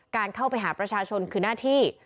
การเข้าไปหาประชาชนคือหน้าที่